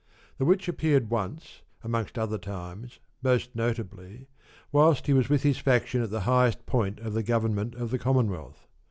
The which appeared once, amongst other times, most notably, whilst he was with his faction at the highest point of the government of the Commonwealth.